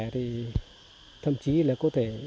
thì thậm chí là có thể